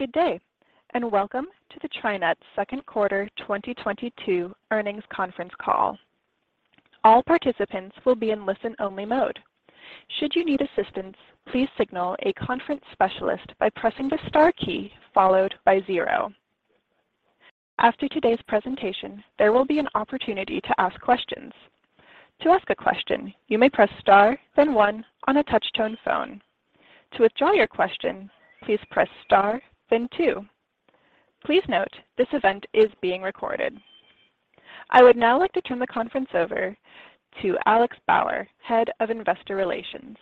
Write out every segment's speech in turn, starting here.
Good day, and welcome to the TriNet Second Quarter 2022 Earnings Conference Call. All participants will be in listen-only mode. Should you need assistance, please signal a conference specialist by pressing the star key followed by zero. After today's presentation, there will be an opportunity to ask questions. To ask a question, you may press star, then one on a touch-tone phone. To withdraw your question, please press star, then two. Please note, this event is being recorded. I would now like to turn the conference over to Alex Bauer, Head of Investor Relations.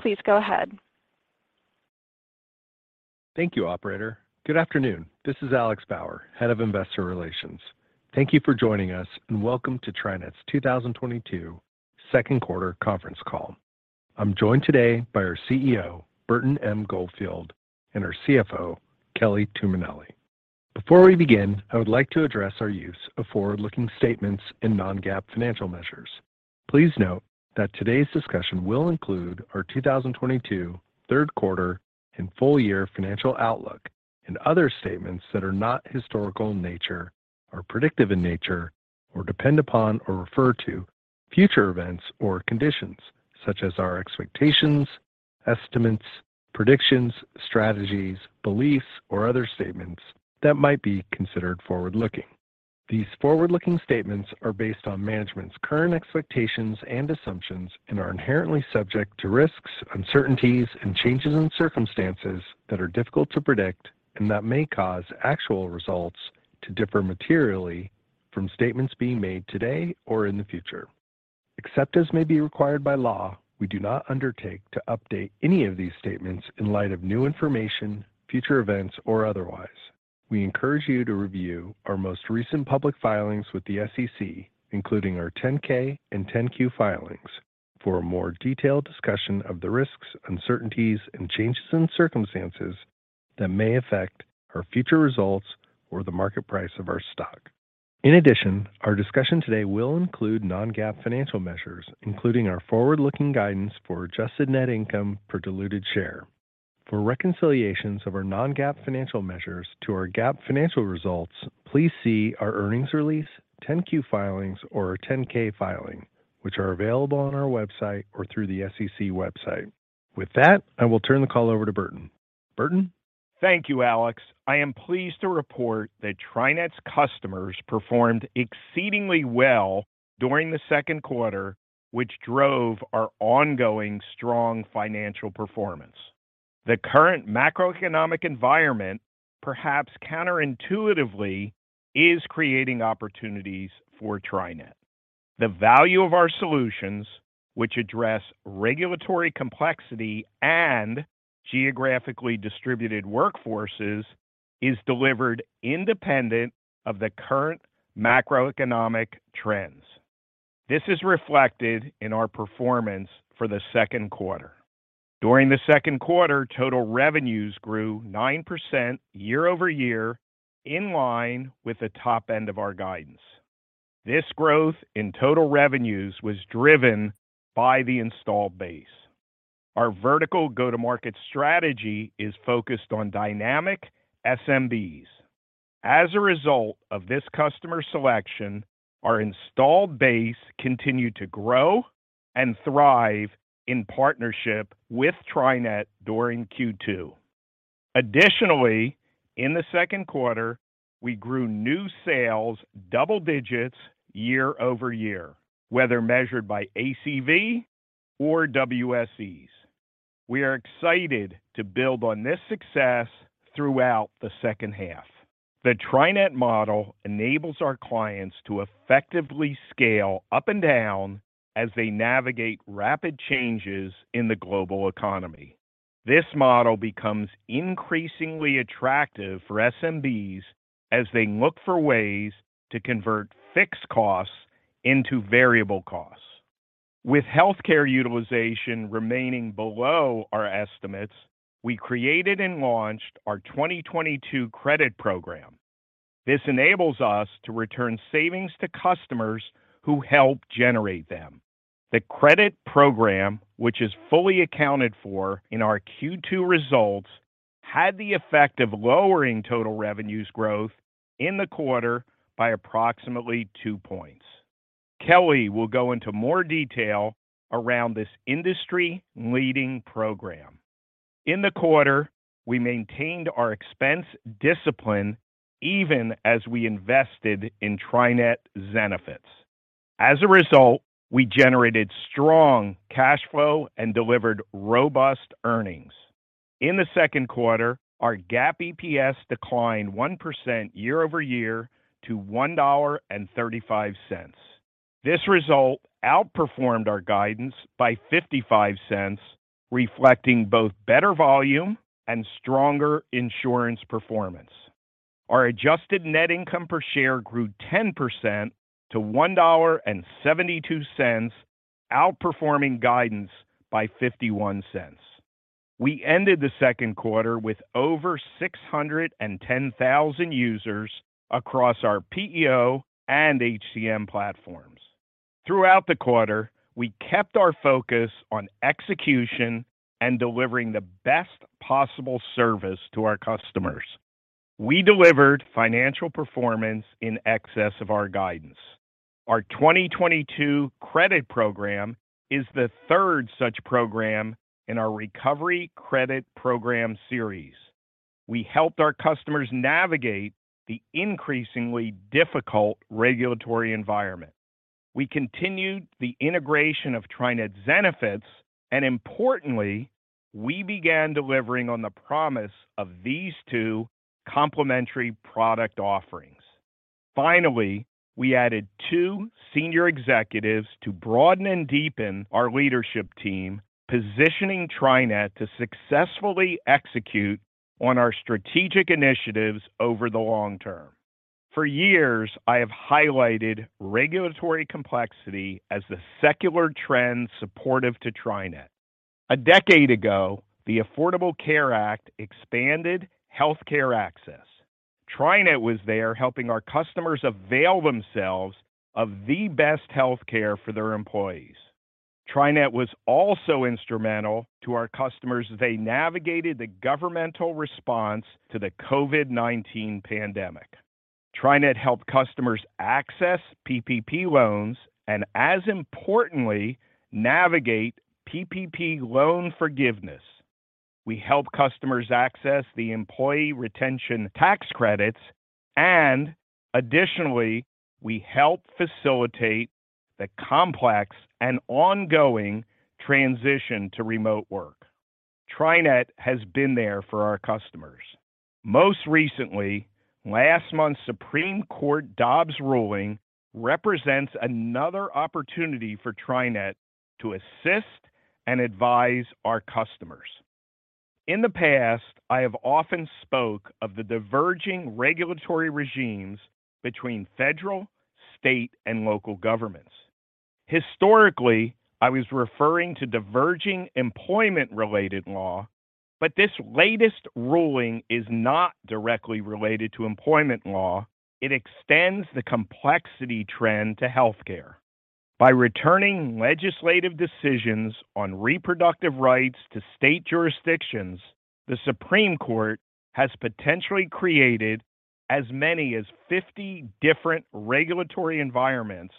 Please go ahead. Thank you, operator. Good afternoon. This is Alex Bauer, Head of Investor Relations. Thank you for joining us, and welcome to TriNet's 2022 Second Quarter Conference Call. I'm joined today by our CEO, Burton M. Goldfield, and our CFO, Kelly Tuminelli. Before we begin, I would like to address our use of forward-looking statements and non-GAAP financial measures. Please note that today's discussion will include our 2022 third quarter and full year financial outlook and other statements that are not historical in nature or predictive in nature or depend upon or refer to future events or conditions, such as our expectations, estimates, predictions, strategies, beliefs, or other statements that might be considered forward-looking. These forward-looking statements are based on management's current expectations and assumptions and are inherently subject to risks, uncertainties and changes in circumstances that are difficult to predict and that may cause actual results to differ materially from statements being made today or in the future. Except as may be required by law, we do not undertake to update any of these statements in light of new information, future events, or otherwise. We encourage you to review our most recent public filings with the SEC, including our 10-K and 10-Q filings for a more detailed discussion of the risks, uncertainties, and changes in circumstances that may affect our future results or the market price of our stock. In addition, our discussion today will include non-GAAP financial measures, including our forward-looking guidance for adjusted net income per diluted share. For reconciliations of our non-GAAP financial measures to our GAAP financial results, please see our earnings release, 10-Q filings or 10-K filing, which are available on our website or through the SEC website. With that, I will turn the call over to Burton. Burton? Thank you, Alex. I am pleased to report that TriNet's customers performed exceedingly well during the second quarter, which drove our ongoing strong financial performance. The current macroeconomic environment, perhaps counterintuitively, is creating opportunities for TriNet. The value of our solutions, which address regulatory complexity and geographically distributed workforces, is delivered independent of the current macroeconomic trends. This is reflected in our performance for the second quarter. During the second quarter, total revenues grew 9% year-over-year, in line with the top end of our guidance. This growth in total revenues was driven by the installed base. Our vertical go-to-market strategy is focused on dynamic SMBs. As a result of this customer selection, our installed base continued to grow and thrive in partnership with TriNet during Q2. Additionally, in the second quarter, we grew new sales double digits year-over-year, whether measured by ACV or WSEs. We are excited to build on this success throughout the second half. The TriNet model enables our clients to effectively scale up and down as they navigate rapid changes in the global economy. This model becomes increasingly attractive for SMBs as they look for ways to convert fixed costs into variable costs. With healthcare utilization remaining below our estimates, we created and launched our 2022 Credit Program. This enables us to return savings to customers who help generate them. The Credit Program, which is fully accounted for in our Q2 results, had the effect of lowering total revenues growth in the quarter by approximately two points. Kelly will go into more detail around this industry-leading program. In the quarter, we maintained our expense discipline even as we invested in TriNet Zenefits. As a result, we generated strong cash flow and delivered robust earnings. In the second quarter, our GAAP EPS declined 1% year-over-year to $1.35. This result outperformed our guidance by $0.55, reflecting both better volume and stronger insurance performance. Our adjusted net income per share grew 10% to $1.72, outperforming guidance by $0.51. We ended the second quarter with over 610,000 users across our PEO and HCM platforms. Throughout the quarter, we kept our focus on execution and delivering the best possible service to our customers. We delivered financial performance in excess of our guidance. Our 2022 Credit Program is the third such program in our Recovery Credit Program series. We helped our customers navigate the increasingly difficult regulatory environment. We continued the integration of TriNet Zenefits, and importantly, we began delivering on the promise of these two complementary product offerings. Finally, we added two senior executives to broaden and deepen our leadership team, positioning TriNet to successfully execute on our strategic initiatives over the long term. For years, I have highlighted regulatory complexity as the secular trend supportive to TriNet. A decade ago, the Affordable Care Act expanded healthcare access. TriNet was there helping our customers avail themselves of the best healthcare for their employees. TriNet was also instrumental to our customers as they navigated the governmental response to the COVID-19 pandemic. TriNet helped customers access PPP loans and as importantly, navigate PPP loan forgiveness. We help customers access the Employee Retention Tax Credits, and additionally, we help facilitate the complex and ongoing transition to remote work. TriNet has been there for our customers. Most recently, last month's Supreme Court Dobbs ruling represents another opportunity for TriNet to assist and advise our customers. In the past, I have often spoken of the diverging regulatory regimes between federal, state, and local governments. Historically, I was referring to diverging employment-related law, but this latest ruling is not directly related to employment law. It extends the complexity trend to healthcare. By returning legislative decisions on reproductive rights to state jurisdictions, the Supreme Court has potentially created as many as 50 different regulatory environments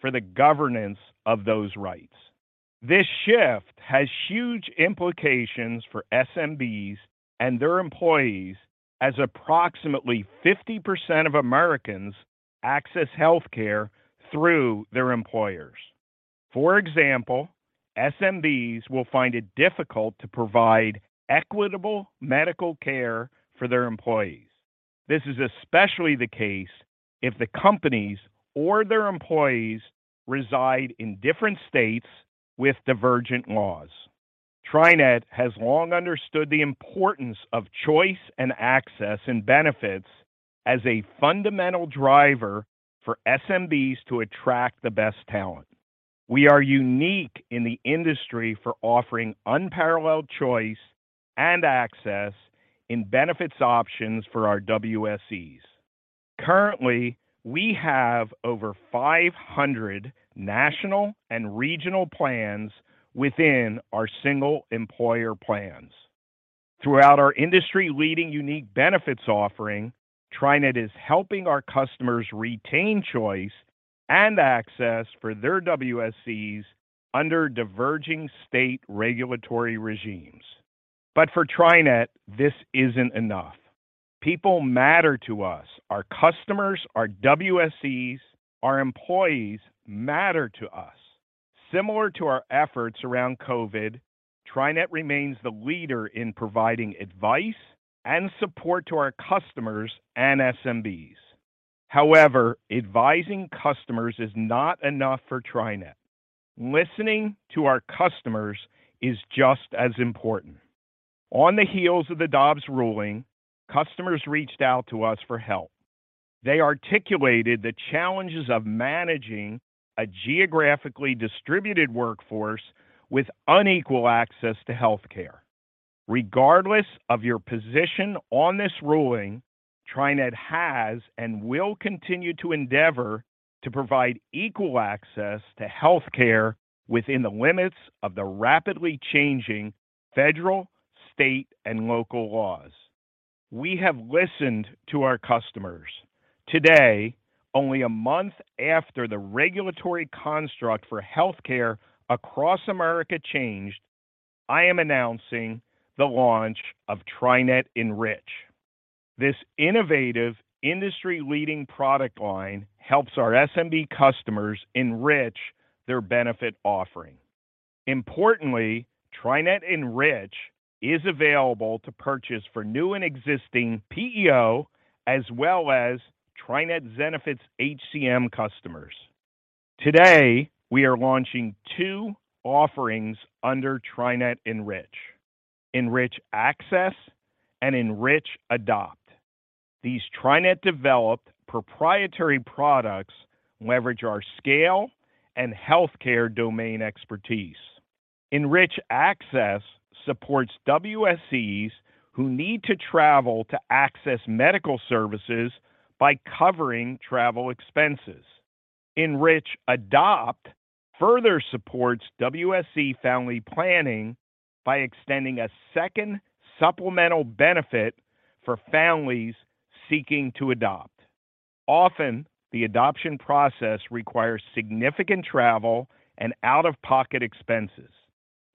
for the governance of those rights. This shift has huge implications for SMBs and their employees as approximately 50% of Americans access healthcare through their employers. For example, SMBs will find it difficult to provide equitable medical care for their employees. This is especially the case if the companies or their employees reside in different states with divergent laws. TriNet has long understood the importance of choice and access in benefits as a fundamental driver for SMBs to attract the best talent. We are unique in the industry for offering unparalleled choice and access in benefits options for our WSEs. Currently, we have over 500 national and regional plans within our single employer plans. Throughout our industry-leading unique benefits offering, TriNet is helping our customers retain choice and access for their WSEs under diverging state regulatory regimes. For TriNet, this isn't enough. People matter to us. Our customers, our WSEs, our employees matter to us. Similar to our efforts around COVID, TriNet remains the leader in providing advice and support to our customers and SMBs. However, advising customers is not enough for TriNet. Listening to our customers is just as important. On the heels of the Dobbs ruling, customers reached out to us for help. They articulated the challenges of managing a geographically distributed workforce with unequal access to healthcare. Regardless of your position on this ruling, TriNet has and will continue to endeavor to provide equal access to healthcare within the limits of the rapidly changing federal, state, and local laws. We have listened to our customers. Today, only a month after the regulatory construct for healthcare across America changed, I am announcing the launch of TriNet Enrich. This innovative industry-leading product line helps our SMB customers enrich their benefit offering. Importantly, TriNet Enrich is available to purchase for new and existing PEO as well as TriNet Zenefits HCM customers. Today, we are launching two offerings under TriNet Enrich Access and Enrich Adopt. These TriNet-developed proprietary products leverage our scale and healthcare domain expertise. Enrich Access supports WSEs who need to travel to access medical services by covering travel expenses. Enrich Adopt further supports WSE family planning by extending a second supplemental benefit for families seeking to adopt. Often, the adoption process requires significant travel and out-of-pocket expenses.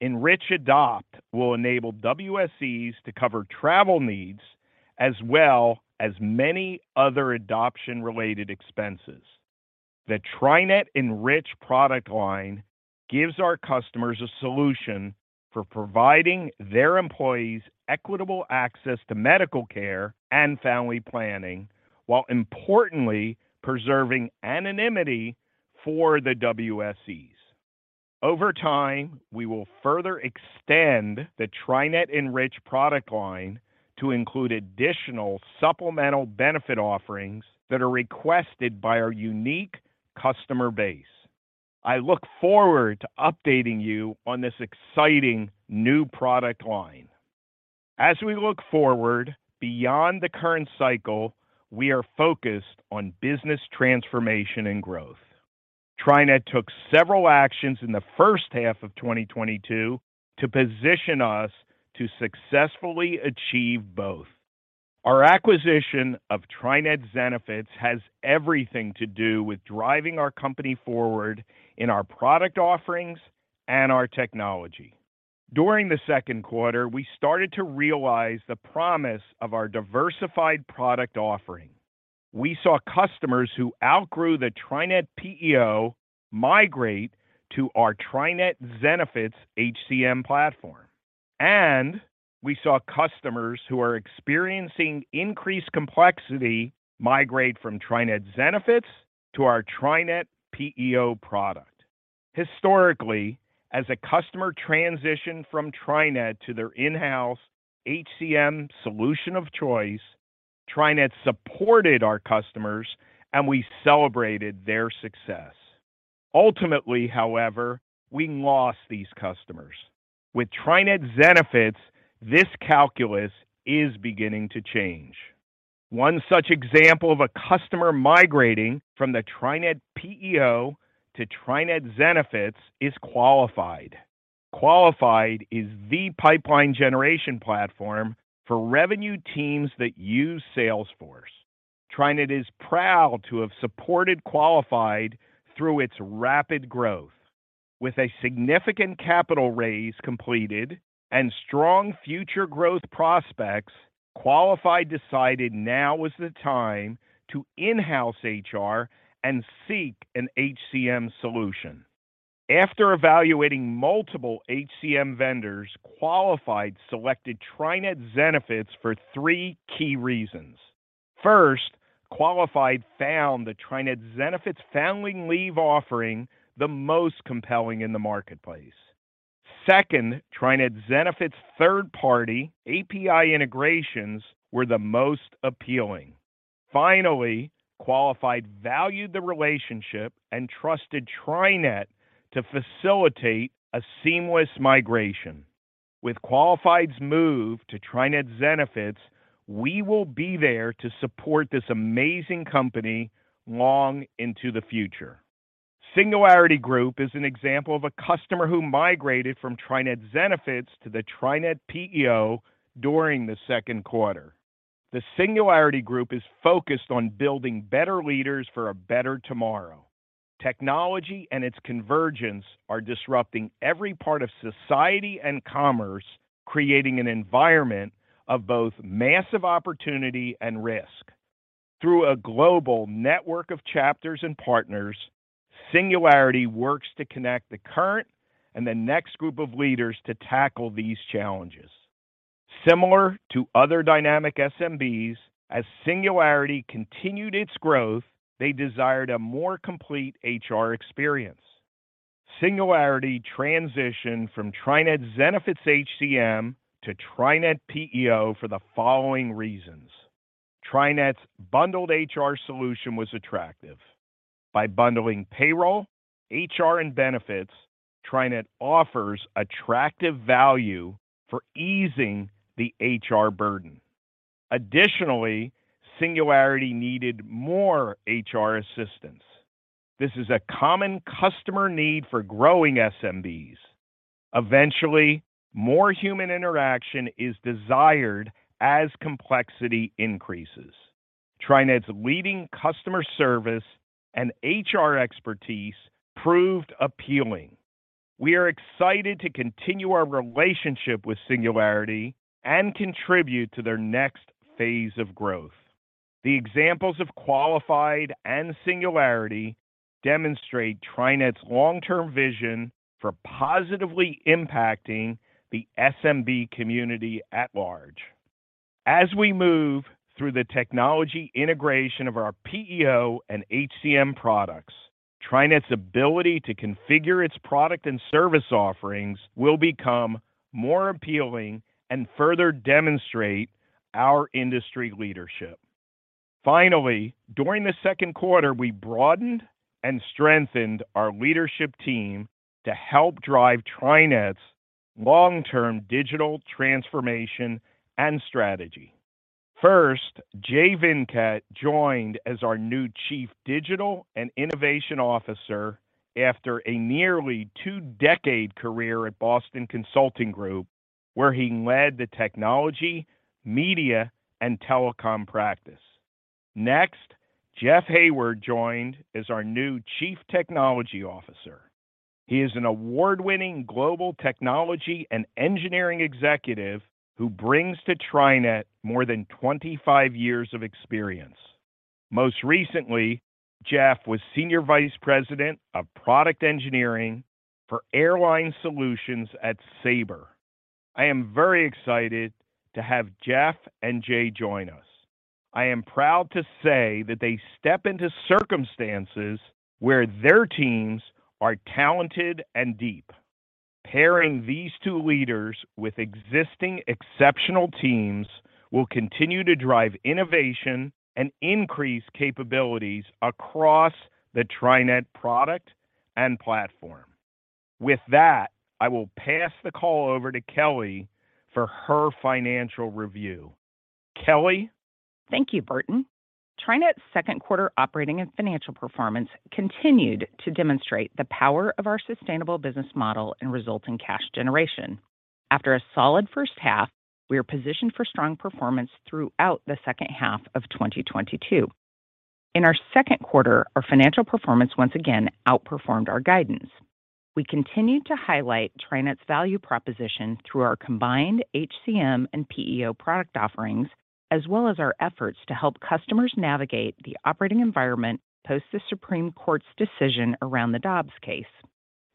Enrich Adopt will enable WSEs to cover travel needs as well as many other adoption-related expenses. The TriNet Enrich product line gives our customers a solution for providing their employees equitable access to medical care and family planning while importantly preserving anonymity for the WSEs. Over time, we will further extend the TriNet Enrich product line to include additional supplemental benefit offerings that are requested by our unique customer base. I look forward to updating you on this exciting new product line. As we look forward beyond the current cycle, we are focused on business transformation and growth. TriNet took several actions in the first half of 2022 to position us to successfully achieve both. Our acquisition of TriNet Zenefits has everything to do with driving our company forward in our product offerings and our technology. During the second quarter, we started to realize the promise of our diversified product offering. We saw customers who outgrew the TriNet PEO migrate to our TriNet Zenefits HCM platform. We saw customers who are experiencing increased complexity migrate from TriNet Zenefits to our TriNet PEO product. Historically, as a customer transitioned from TriNet to their in-house HCM solution of choice, TriNet supported our customers, and we celebrated their success. Ultimately, however, we lost these customers. With TriNet Zenefits, this calculus is beginning to change. One such example of a customer migrating from the TriNet PEO to TriNet Zenefits is Qualified. Qualified is the pipeline generation platform for revenue teams that use Salesforce. TriNet is proud to have supported Qualified through its rapid growth. With a significant capital raise completed and strong future growth prospects, Qualified decided now was the time to in-house HR and seek an HCM solution. After evaluating multiple HCM vendors, Qualified selected TriNet Zenefits for three key reasons. First, Qualified found the TriNet Zenefits family leave offering the most compelling in the marketplace. Second, TriNet Zenefits third-party API integrations were the most appealing. Finally, Qualified valued the relationship and trusted TriNet to facilitate a seamless migration. With Qualified's move to TriNet Zenefits, we will be there to support this amazing company long into the future. Singularity Group is an example of a customer who migrated from TriNet Zenefits to the TriNet PEO during the second quarter. The Singularity Group is focused on building better leaders for a better tomorrow. Technology and its convergence are disrupting every part of society and commerce, creating an environment of both massive opportunity and risk. Through a global network of chapters and partners, Singularity works to connect the current and the next group of leaders to tackle these challenges. Similar to other dynamic SMBs, as Singularity continued its growth, they desired a more complete HR experience. Singularity transitioned from TriNet Zenefits HCM to TriNet PEO for the following reasons. TriNet's bundled HR solution was attractive. By bundling payroll, HR, and benefits, TriNet offers attractive value for easing the HR burden. Additionally, Singularity needed more HR assistance. This is a common customer need for growing SMBs. Eventually, more human interaction is desired as complexity increases. TriNet's leading customer service and HR expertise proved appealing. We are excited to continue our relationship with Singularity and contribute to their next phase of growth. The examples of Qualified and Singularity demonstrate TriNet's long-term vision for positively impacting the SMB community at large. As we move through the technology integration of our PEO and HCM products, TriNet's ability to configure its product and service offerings will become more appealing and further demonstrate our industry leadership. Finally, during the second quarter, we broadened and strengthened our leadership team to help drive TriNet's long-term digital transformation and strategy. First, Jay Venkat joined as our new Chief Digital and Innovation Officer after a nearly two-decade career at Boston Consulting Group, where he led the technology, media, and telecom practice. Next, Jeff Hayward joined as our new Chief Technology Officer. He is an award-winning global technology and engineering executive who brings to TriNet more than 25 years of experience. Most recently, Jeff was Senior Vice President of Product Engineering for Airline Solutions at Sabre. I am very excited to have Jeff and Jay join us. I am proud to say that they step into circumstances where their teams are talented and deep. Pairing these two leaders with existing exceptional teams will continue to drive innovation and increase capabilities across the TriNet product and platform. With that, I will pass the call over to Kelly for her financial review. Kelly? Thank you, Burton. TriNet's second quarter operating and financial performance continued to demonstrate the power of our sustainable business model and resulting cash generation. After a solid first half, we are positioned for strong performance throughout the second half of 2022. In our second quarter, our financial performance once again outperformed our guidance. We continued to highlight TriNet's value proposition through our combined HCM and PEO product offerings, as well as our efforts to help customers navigate the operating environment post the Supreme Court's decision around the Dobbs case.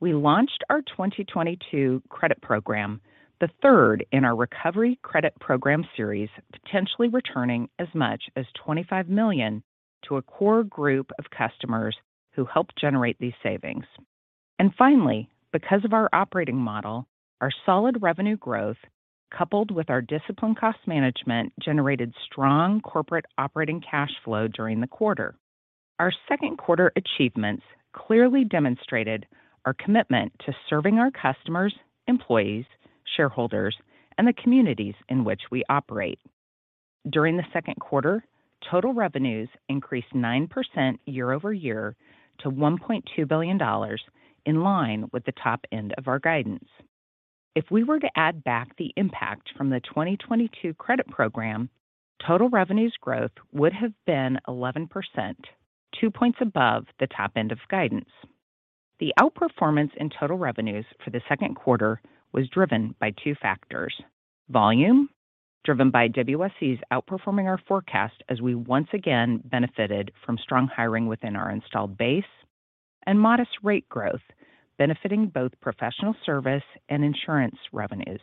We launched our 2022 Credit Program, the third in our Recovery Credit Program series, potentially returning as much as $25 million to a core group of customers who helped generate these savings. Finally, because of our operating model, our solid revenue growth, coupled with our disciplined cost management, generated strong corporate operating cash flow during the quarter. Our second quarter achievements clearly demonstrated our commitment to serving our customers, employees, shareholders, and the communities in which we operate. During the second quarter, total revenues increased 9% year-over-year to $1.2 billion in line with the top end of our guidance. If we were to add back the impact from the 2022 Credit Program, total revenues growth would have been 11%, two points above the top end of guidance. The outperformance in total revenues for the second quarter was driven by two factors. Volume, driven by WSEs outperforming our forecast as we once again benefited from strong hiring within our installed base, and modest rate growth, benefiting both professional service and insurance revenues.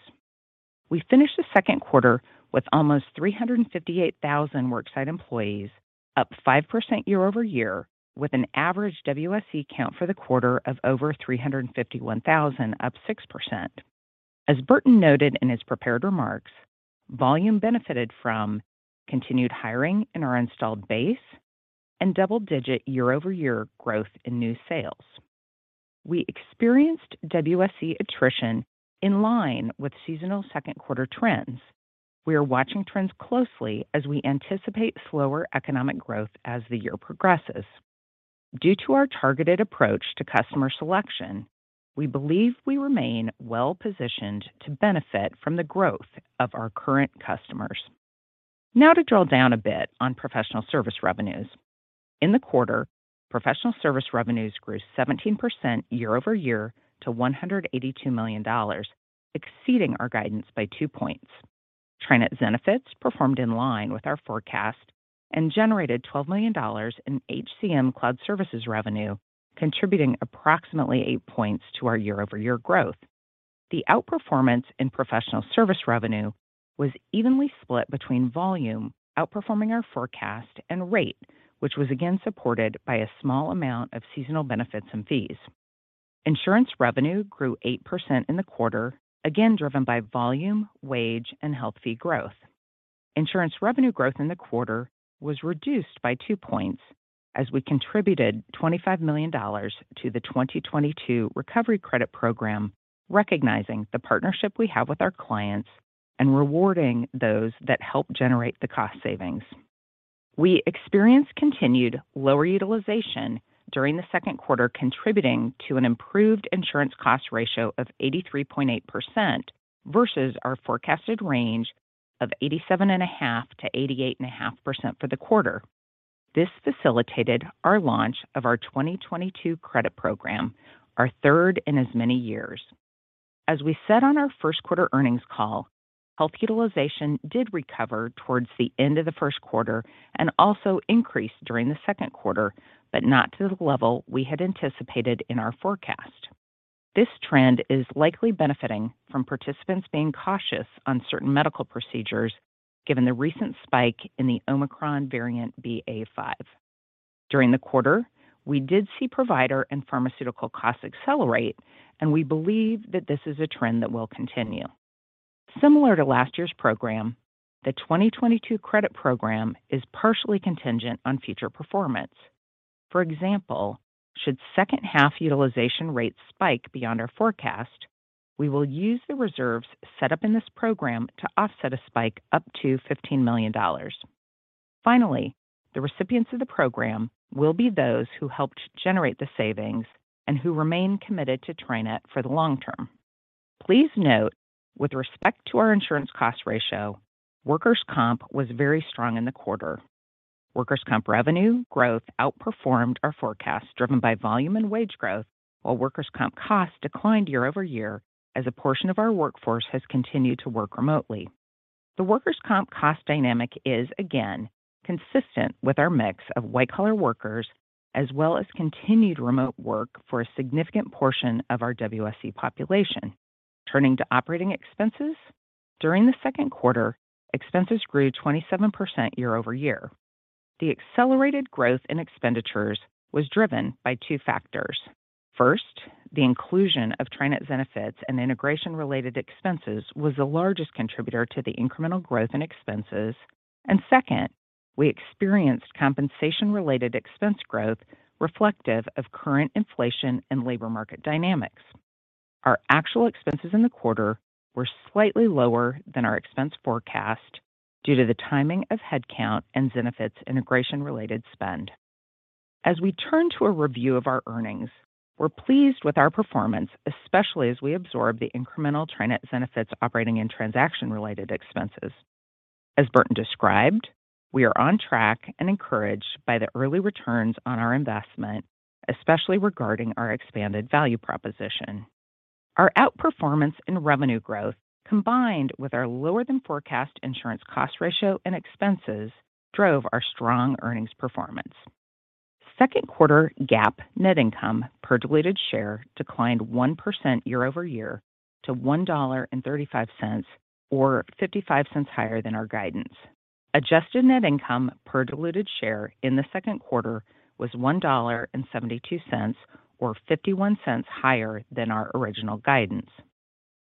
We finished the second quarter with almost 358,000 worksite employees, up 5% year-over-year, with an average WSE count for the quarter of over 351,000, up 6%. As Burton noted in his prepared remarks, volume benefited from continued hiring in our installed base and double-digit year-over-year growth in new sales. We experienced WSE attrition in line with seasonal second quarter trends. We are watching trends closely as we anticipate slower economic growth as the year progresses. Due to our targeted approach to customer selection, we believe we remain well-positioned to benefit from the growth of our current customers. Now to drill down a bit on professional service revenues. In the quarter, professional service revenues grew 17% year-over-year to $182 million, exceeding our guidance by two points. TriNet Zenefits performed in line with our forecast and generated $12 million in HCM cloud services revenue, contributing approximately 8 points to our year-over-year growth. The outperformance in professional service revenue was evenly split between volume, outperforming our forecast, and rate, which was again supported by a small amount of seasonal benefits and fees. Insurance revenue grew 8% in the quarter, again driven by volume, wage, and health fee growth. Insurance revenue growth in the quarter was reduced by two points as we contributed $25 million to the 2022 Recovery Credit program, recognizing the partnership we have with our clients and rewarding those that help generate the cost savings. We experienced continued lower utilization during the second quarter, contributing to an improved insurance cost ratio of 83.8% versus our forecasted range of 87.5%-88.5% for the quarter. This facilitated our launch of our 2022 Credit Program, our third in as many years. As we said on our first quarter earnings call, health utilization did recover towards the end of the first quarter and also increased during the second quarter, but not to the level we had anticipated in our forecast. This trend is likely benefiting from participants being cautious on certain medical procedures given the recent spike in the Omicron variant BA.5. During the quarter, we did see provider and pharmaceutical costs accelerate, and we believe that this is a trend that will continue. Similar to last year's program, the 2022 Credit Program is partially contingent on future performance. For example, should second half utilization rates spike beyond our forecast, we will use the reserves set up in this program to offset a spike up to $15 million. Finally, the recipients of the program will be those who helped generate the savings and who remain committed to TriNet for the long term. Please note, with respect to our insurance cost ratio, workers' comp was very strong in the quarter. Workers' comp revenue growth outperformed our forecast driven by volume and wage growth, while workers' comp costs declined year-over-year as a portion of our workforce has continued to work remotely. The workers' comp cost dynamic is, again, consistent with our mix of white-collar workers as well as continued remote work for a significant portion of our WSE population. Turning to operating expenses, during the second quarter, expenses grew 27% year-over-year. The accelerated growth in expenditures was driven by two factors. First, the inclusion of TriNet Zenefits and integration related expenses was the largest contributor to the incremental growth in expenses. Second, we experienced compensation related expense growth reflective of current inflation and labor market dynamics. Our actual expenses in the quarter were slightly lower than our expense forecast due to the timing of headcount and Zenefits integration related spend. As we turn to a review of our earnings, we're pleased with our performance, especially as we absorb the incremental TriNet Zenefits operating and transaction related expenses. As Burton described, we are on track and encouraged by the early returns on our investment, especially regarding our expanded value proposition. Our outperformance in revenue growth, combined with our lower than forecast insurance cost ratio and expenses drove our strong earnings performance. Second quarter GAAP net income per diluted share declined 1% year-over-year to $1.35 or $0.55 higher than our guidance. Adjusted net income per diluted share in the second quarter was $1.72 or $0.51 higher than our original guidance.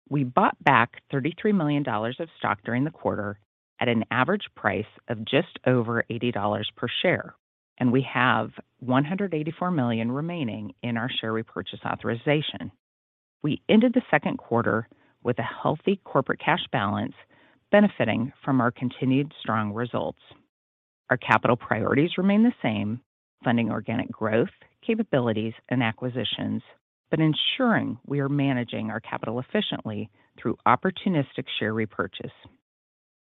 We bought back $33 million of stock during the quarter at an average price of just over $80 per share, and we have $184 million remaining in our share repurchase authorization. We ended the second quarter with a healthy corporate cash balance benefiting from our continued strong results. Our capital priorities remain the same, funding organic growth, capabilities, and acquisitions, but ensuring we are managing our capital efficiently through opportunistic share repurchase.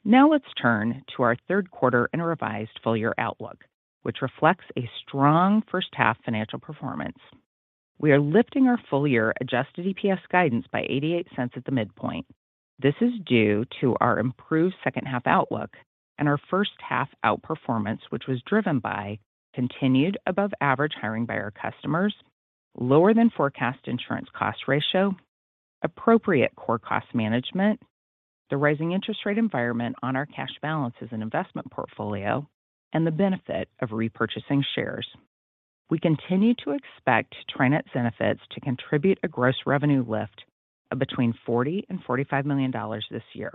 Now let's turn to our third quarter and revised full year outlook, which reflects a strong first half financial performance. We are lifting our full year adjusted EPS guidance by $0.88 at the midpoint. This is due to our improved second half outlook and our first half outperformance, which was driven by continued above average hiring by our customers, lower than forecast insurance cost ratio, appropriate core cost management, the rising interest rate environment on our cash balances and investment portfolio, and the benefit of repurchasing shares. We continue to expect TriNet's benefits to contribute a gross revenue lift of between $40 million and $45 million this year.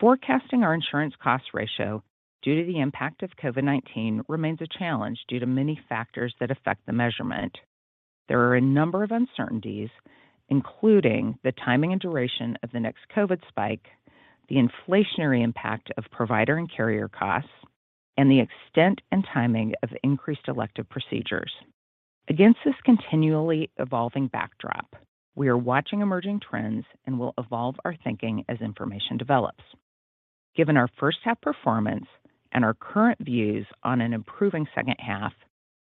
Forecasting our insurance cost ratio due to the impact of COVID-19 remains a challenge due to many factors that affect the measurement. There are a number of uncertainties, including the timing and duration of the next COVID spike, the inflationary impact of provider and carrier costs, and the extent and timing of increased elective procedures. Against this continually evolving backdrop, we are watching emerging trends and will evolve our thinking as information develops. Given our first half performance and our current views on an improving second half,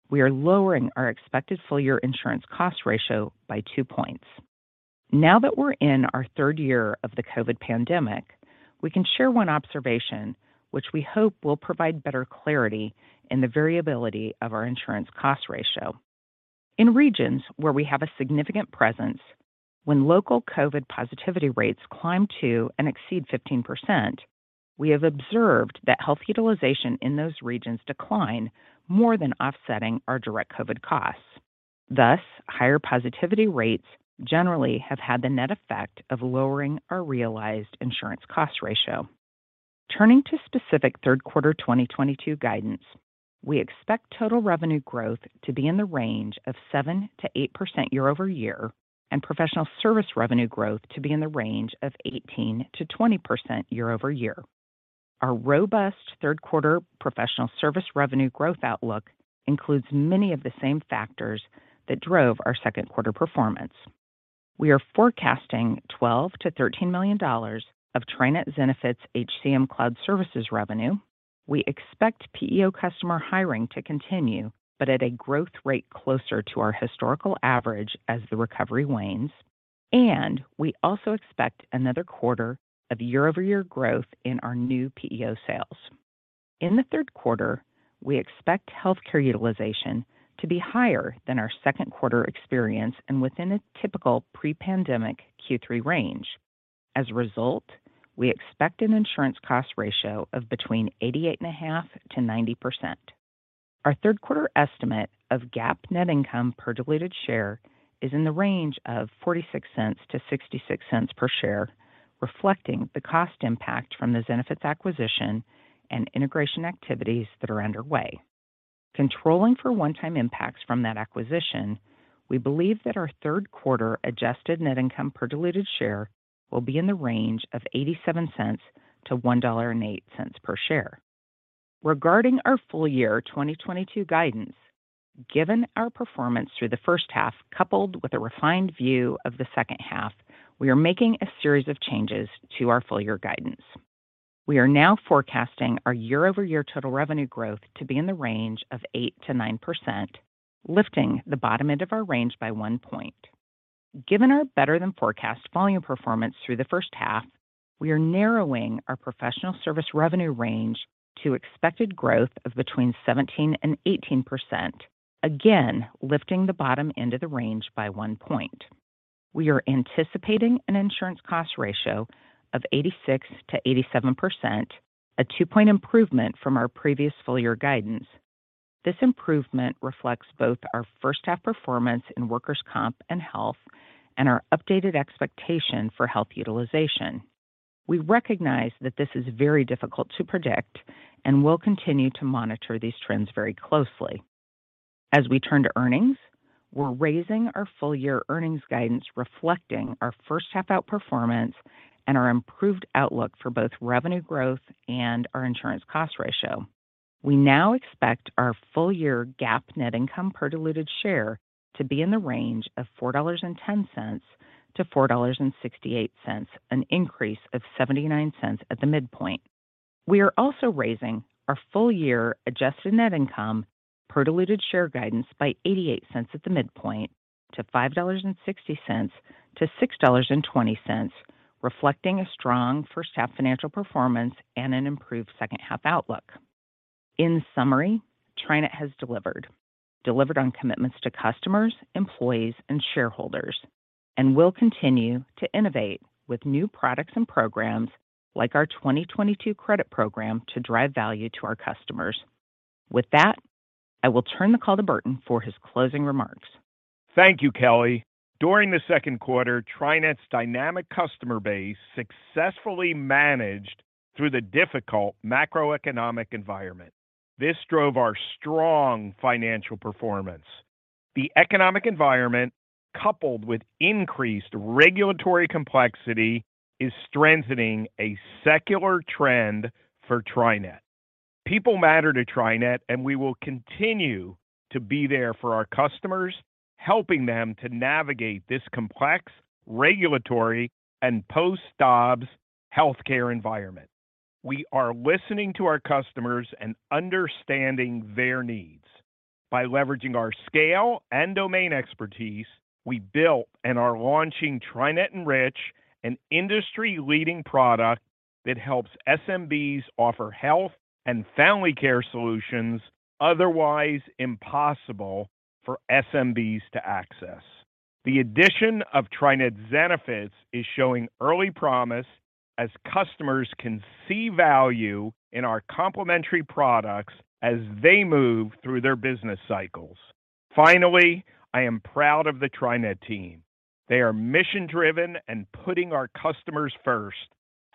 we are lowering our expected full year insurance cost ratio by two points. Now that we're in our third year of the COVID pandemic, we can share one observation which we hope will provide better clarity in the variability of our insurance cost ratio. In regions where we have a significant presence, when local COVID positivity rates climb to and exceed 15%, we have observed that health utilization in those regions decline more than offsetting our direct COVID costs. Thus, higher positivity rates generally have had the net effect of lowering our realized insurance cost ratio. Turning to specific third quarter 2022 guidance, we expect total revenue growth to be in the range of 7%-8% year-over-year and professional service revenue growth to be in the range of 18%-20% year-over-year. Our robust third quarter professional service revenue growth outlook includes many of the same factors that drove our second quarter performance. We are forecasting $12 million-$13 million of TriNet Zenefits HCM cloud services revenue. We expect PEO customer hiring to continue, but at a growth rate closer to our historical average as the recovery wanes. We also expect another quarter of year-over-year growth in our new PEO sales. In the third quarter, we expect healthcare utilization to be higher than our second quarter experience and within a typical pre-pandemic Q3 range. As a result, we expect an insurance cost ratio of between 88.5% and 90%. Our third quarter estimate of GAAP net income per diluted share is in the range of $0.46-$0.66 per share, reflecting the cost impact from the Zenefits acquisition and integration activities that are underway. Controlling for one-time impacts from that acquisition, we believe that our third quarter adjusted net income per diluted share will be in the range of $0.87-$1.08 per share. Regarding our full year 2022 guidance, given our performance through the first half, coupled with a refined view of the second half, we are making a series of changes to our full year guidance. We are now forecasting our year-over-year total revenue growth to be in the range of 8%-9%, lifting the bottom end of our range by one point. Given our better-than-forecast volume performance through the first half, we are narrowing our professional service revenue range to expected growth of between 17% and 18%, again lifting the bottom end of the range by one point. We are anticipating an insurance cost ratio of 86%-87%, a two point improvement from our previous full year guidance. This improvement reflects both our first half performance in workers' comp and health and our updated expectation for health utilization. We recognize that this is very difficult to predict and will continue to monitor these trends very closely. As we turn to earnings, we're raising our full year earnings guidance reflecting our first half outperformance and our improved outlook for both revenue growth and our insurance cost ratio. We now expect our full year GAAP net income per diluted share to be in the range of $4.10-$4.68, an increase of $0.79 at the midpoint. We are also raising our full year adjusted net income per diluted share guidance by $0.88 at the midpoint to $5.60-$6.20, reflecting a strong first half financial performance and an improved second half outlook. In summary, TriNet has delivered on commitments to customers, employees and shareholders and will continue to innovate with new products and programs like our 2022 Credit Program to drive value to our customers. With that, I will turn the call to Burton for his closing remarks. Thank you, Kelly. During the second quarter, TriNet's dynamic customer base successfully managed through the difficult macroeconomic environment. This drove our strong financial performance. The economic environment, coupled with increased regulatory complexity, is strengthening a secular trend for TriNet. People matter to TriNet, and we will continue to be there for our customers, helping them to navigate this complex regulatory and post-Dobbs healthcare environment. We are listening to our customers and understanding their needs. By leveraging our scale and domain expertise, we built and are launching TriNet Enrich, an industry-leading product that helps SMBs offer health and family care solutions otherwise impossible for SMBs to access. The addition of TriNet Zenefits is showing early promise as customers can see value in our complementary products as they move through their business cycles. Finally, I am proud of the TriNet team. They are mission-driven and putting our customers first.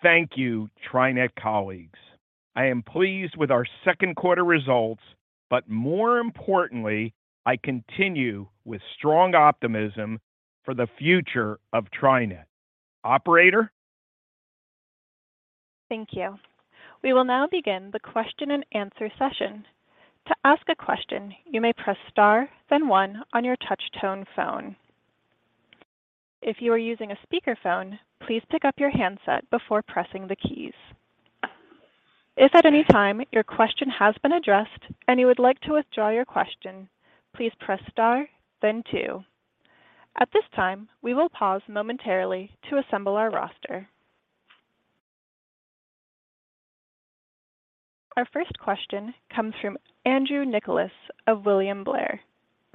Thank you, TriNet colleagues. I am pleased with our second quarter results, but more importantly, I continue with strong optimism for the future of TriNet. Operator? Thank you. We will now begin the question and answer session. To ask a question, you may press star, then one on your touchtone phone. If you are using a speakerphone, please pick up your handset before pressing the keys. If at any time your question has been addressed and you would like to withdraw your question, please press star, then two. At this time, we will pause momentarily to assemble our roster. Our first question comes from Andrew Nicholas of William Blair.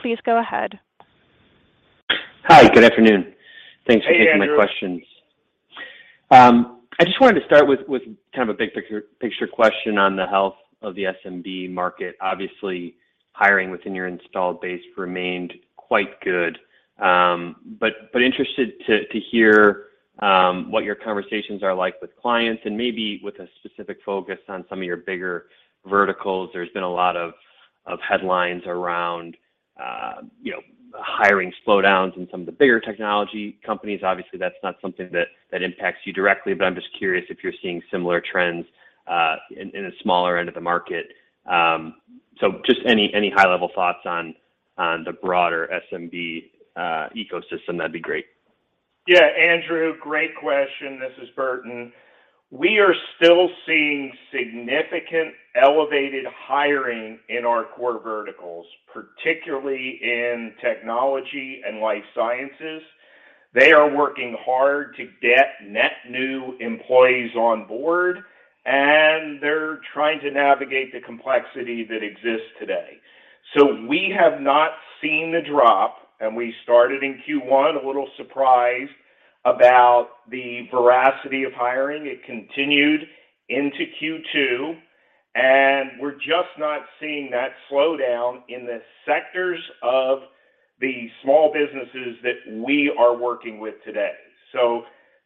Please go ahead. Hi. Good afternoon. Hey, Andrew. Thanks for taking my questions. I just wanted to start with kind of a big picture question on the health of the SMB market. Obviously, hiring within your installed base remained quite good. Interested to hear what your conversations are like with clients and maybe with a specific focus on some of your bigger verticals. There's been a lot of headlines around you know hiring slowdowns in some of the bigger technology companies. Obviously, that's not something that impacts you directly, but I'm just curious if you're seeing similar trends in the smaller end of the market. Just any high-level thoughts on the broader SMB ecosystem, that'd be great. Yeah, Andrew, great question. This is Burton. We are still seeing significant elevated hiring in our core verticals, particularly in technology and life sciences. They are working hard to get net new employees on board, and they're trying to navigate the complexity that exists today. We have not seen the drop, and we started in Q1 a little surprised about the veracity of hiring. It continued into Q2, and we're just not seeing that slowdown in the sectors of the small businesses that we are working with today.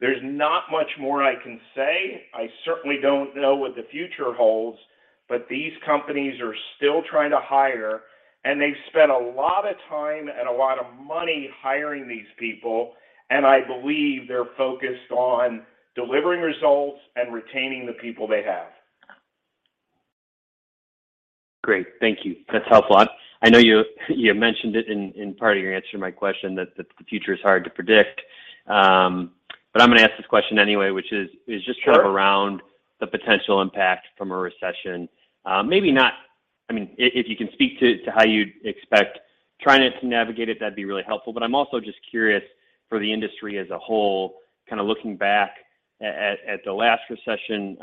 There's not much more I can say. I certainly don't know what the future holds, but these companies are still trying to hire, and they've spent a lot of time and a lot of money hiring these people, and I believe they're focused on delivering results and retaining the people they have. Great. Thank you. That's helpful. I know you mentioned it in part of your answer to my question that the future is hard to predict, but I'm gonna ask this question anyway, which is just. Sure. Kind of around the potential impact from a recession. I mean, if you can speak to how you'd expect trying to navigate it, that'd be really helpful. I'm also just curious for the industry as a whole, kind of looking back at the last recession,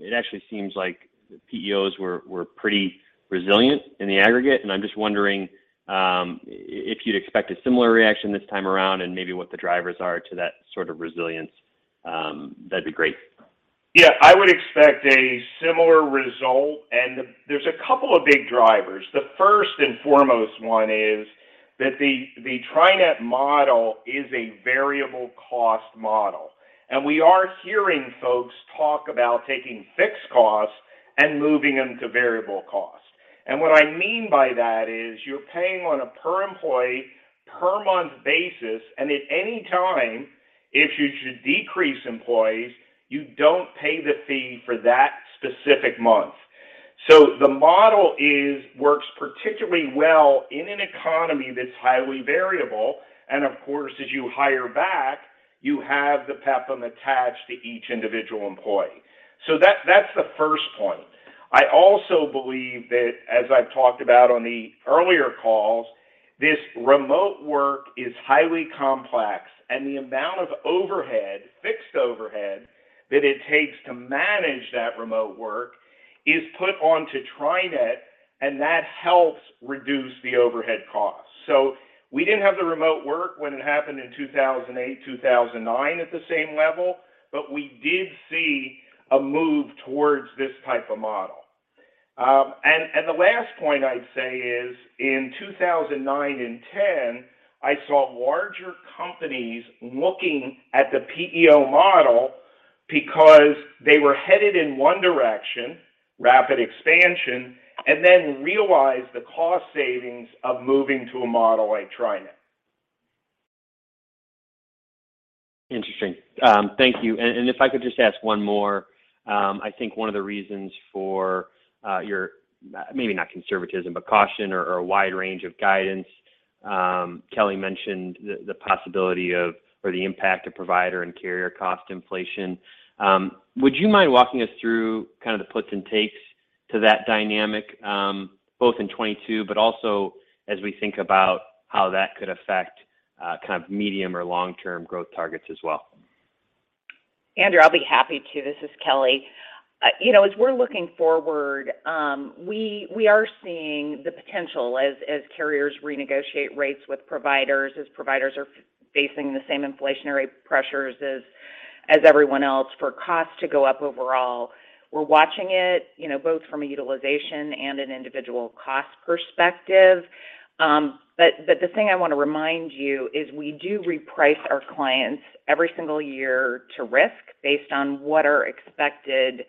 it actually seems like PEOs were pretty resilient in the aggregate, and I'm just wondering, if you'd expect a similar reaction this time around and maybe what the drivers are to that sort of resilience, that'd be great. Yeah. I would expect a similar result, and there's a couple of big drivers. The first and foremost one is that the TriNet model is a variable cost model, and we are hearing folks talk about taking fixed costs and moving them to variable costs. What I mean by that is you're paying on a per employee, per month basis, and at any time, if you should decrease employees, you don't pay the fee for that specific month. The model works particularly well in an economy that's highly variable, and of course, as you hire back, you have the PEPM attached to each individual employee. That's the first point. I also believe that, as I've talked about on the earlier calls, this remote work is highly complex, and the amount of overhead, fixed overhead, that it takes to manage that remote work is put onto TriNet, and that helps reduce the overhead costs. We didn't have the remote work when it happened in 2008, 2009 at the same level, but we did see a move towards this type of model. The last point I'd say is in 2009 and 2010, I saw larger companies looking at the PEO model because they were headed in one direction, rapid expansion, and then realized the cost savings of moving to a model like TriNet. Interesting. Thank you. If I could just ask one more. I think one of the reasons for your maybe not conservatism, but caution or a wide range of guidance, Kelly mentioned the possibility of or the impact of provider and carrier cost inflation. Would you mind walking us through kind of the puts and takes to that dynamic both in 2022, but also as we think about how that could affect kind of medium or long-term growth targets as well? Andrew, I'll be happy to. This is Kelly. You know, as we're looking forward, we are seeing the potential as carriers renegotiate rates with providers, as providers are facing the same inflationary pressures as everyone else for costs to go up overall. We're watching it, you know, both from a utilization and an individual cost perspective. But the thing I wanna remind you is we do reprice our clients every single year to risk based on what our expected,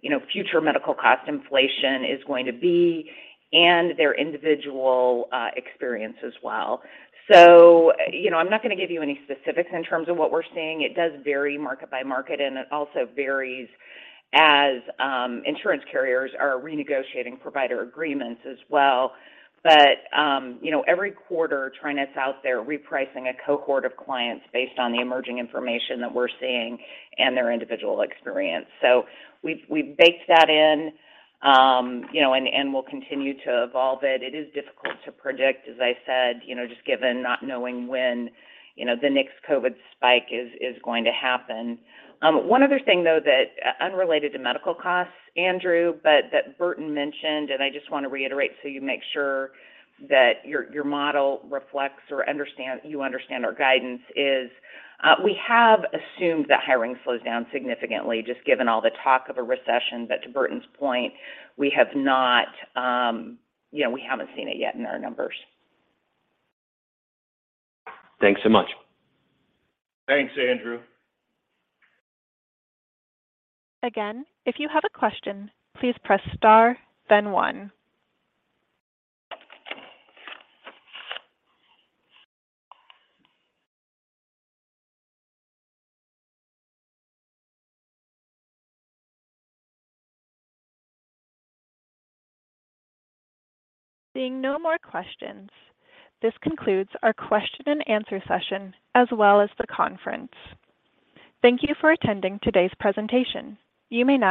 you know, future medical cost inflation is going to be and their individual experience as well. You know, I'm not gonna give you any specifics in terms of what we're seeing. It does vary market by market, and it also varies as insurance carriers are renegotiating provider agreements as well. You know, every quarter, TriNet's out there repricing a cohort of clients based on the emerging information that we're seeing and their individual experience. We've baked that in, you know, and we'll continue to evolve it. It is difficult to predict, as I said, you know, just given not knowing when, you know, the next COVID spike is going to happen. One other thing, though, that unrelated to medical costs, Andrew, but that Burton mentioned, and I just want to reiterate so you make sure that your model reflects or you understand our guidance is, we have assumed that hiring slows down significantly just given all the talk of a recession. To Burton's point, we have not, you know, we haven't seen it yet in our numbers. Thanks so much. Thanks, Andrew. Again, if you have a question, please press star then one. Seeing no more questions, this concludes our question and answer session as well as the conference. Thank you for attending today's presentation. You may now